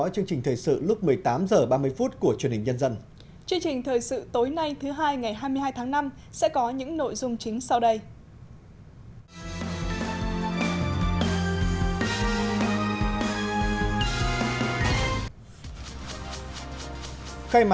chương trình thời sự tối nay thứ hai ngày hai mươi hai tháng năm sẽ có những nội dung chính sau đây